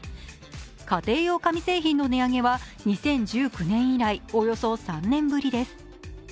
家庭用紙製品の値上げは２０１９年以来およそ３年ぶりです。